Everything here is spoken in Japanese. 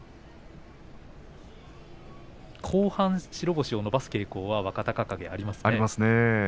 後半白星を伸ばす傾向が若隆景にはありますね。